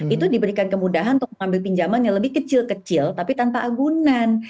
itu diberikan kemudahan untuk mengambil pinjaman yang lebih kecil kecil tapi tanpa agunan